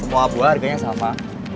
semua buah harganya sama